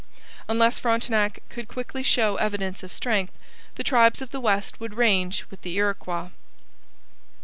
Unless Frontenac could quickly show evidence of strength, the tribes of the West would range with the Iroquois.